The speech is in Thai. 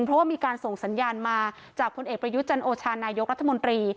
เพราะว่ามีการส่งสัญญาณมาจากพลเอกประยุทธ์จันโอชานายกรัฐมนตรี